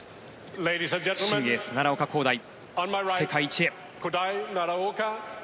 新エース、奈良岡功大世界一へ。